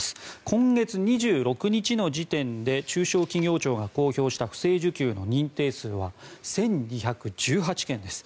今月２６日の時点で中小企業庁が公表した不正受給の認定数は１２１８件です。